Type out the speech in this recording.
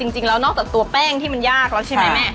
นอกจากตัวแป้งที่มันยากแล้วใช่ไหมแม่